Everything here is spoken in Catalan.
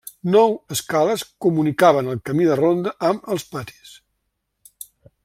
Nou escales comunicaven el camí de ronda amb els patis.